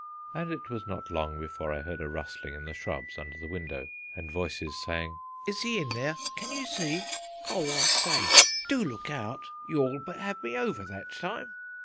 And it was not long before I heard a rustling in the shrubs under the window and voices saying: "Is he in there? Can you see? Oh, I say, do look out: you all but had me over that time!"